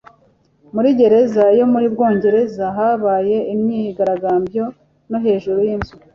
Muri gereza yo mu Bwongereza habaye imyigaragambyo no hejuru y'inzu